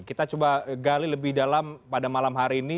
kita coba gali lebih dalam pada malam hari ini